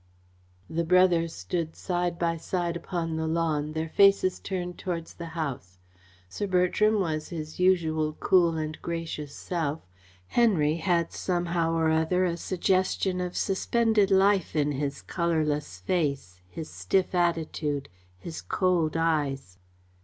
The brothers stood side by side upon the lawn, their faces turned towards the house. Sir Bertram was his usual cool and gracious self. Henry had somehow or other a suggestion of suspended life in his colourless face, his stiff attitude, his cold eyes.